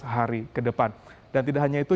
seratus hari kedepan dan tidak hanya itu